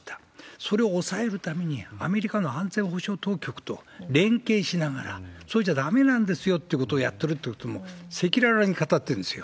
それを抑えるために、アメリカの安全保障当局と連携しながら、それじゃだめなんですよってことをやってるということも、赤裸々に語ってるんですよ。